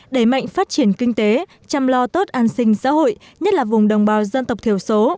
đẩy mạnh phát triển kinh tế chăm lo tốt an sinh xã hội nhất là vùng đồng bào dân tộc thiểu số